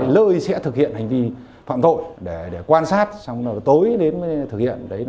lời sẽ thực hiện hành vi phạm tội để quan sát xong rồi tối đến thực hiện